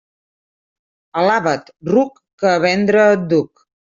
Alaba't, ruc, que a vendre et duc.